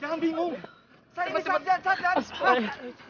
iyam jangan bingung saya ini sarjan sarjan